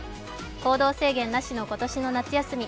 行動制限なしの今年の夏休み。